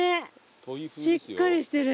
しっかりしてる。